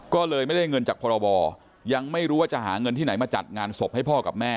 ก็เลยไม่ได้เงินจากพรบยังไม่รู้ว่าจะหาเงินที่ไหนมาจัดงานศพให้พ่อกับแม่